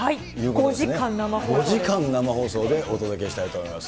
５時間生放送でお届けしたいと思います。